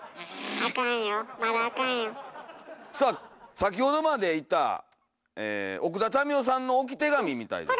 先ほどまでいた奥田民生さんの置き手紙みたいです。